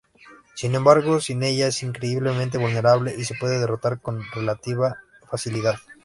Sin embargo, sin ella es increíblemente vulnerable y se puede derrotar con relativa facilidad.